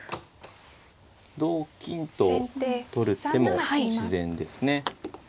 同金と取る手も自然ですね。